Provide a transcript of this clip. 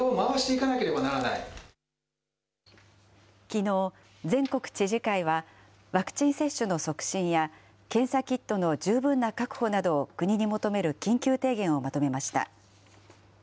きのう、全国知事会はワクチン接種の促進や、検査キットの十分な確保などを国に求める緊急提言をまとめました。